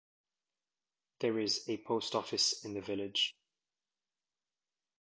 There is a post office in the village.